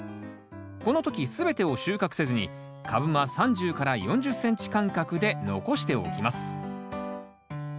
この時全てを収穫せずに株間３０４０ｃｍ間隔で残しておきます。